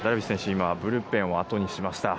今、ブルペンをあとにしました。